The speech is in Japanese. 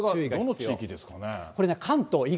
どの地域ですかね。